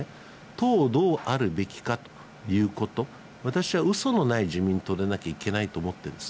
党をどうあるべきかということ、私はうそのない自民党でなければいけないと思ってるんです。